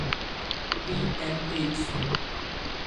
B and H.